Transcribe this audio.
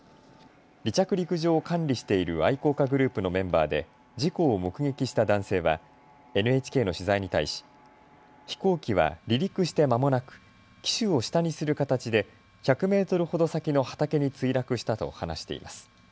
離着陸場を管理している愛好家グループのメンバーで事故を目撃した男性はＮＨＫの取材に対し飛行機は離陸してまもなく機首を下にする形で１００メートルほど先の畑に墜落したと話しています。